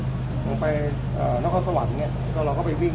น้องข้าวสวรรค์เนี่ยก็ลองเข้าไปวิ่ง